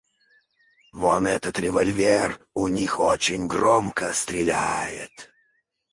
Вон этот револьвер у них очень громко стреляет.